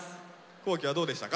皇輝はどうでしたか？